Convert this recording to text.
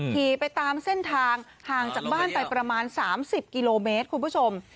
ขี่ไปตามเส้นทางห่างจากบ้านไปประมาณ๓๐กิโลเมตรคุณผู้ชม